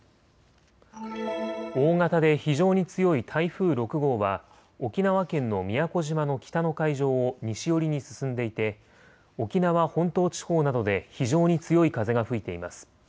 大型で非常に強い台風６号は沖縄県の宮古島の北の海上を西寄りに進んでいて沖縄本島地方などで非常に強い風が吹いています。